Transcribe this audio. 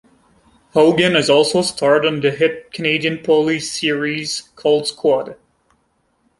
Hogan has also starred on the hit Canadian police series "Cold Squad".